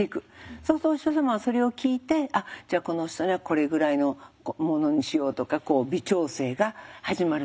そうするとお医者様はそれを聞いてあっじゃあこの人にはこれぐらいのものにしようとかこう微調整が始まるんだそうです。